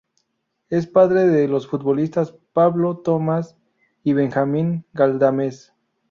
Es padre de los futbolistas Pablo, Thomas y Benjamín Galdames.